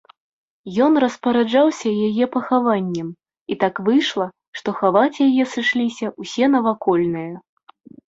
Ён распараджаўся яе пахаваннем, і так выйшла, што хаваць яе сышліся ўсе навакольныя.